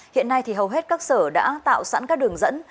hiện nay thì hầu hết các sở đã tạo sẵn các đường dẫn